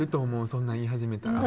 そんなん言い始めたら。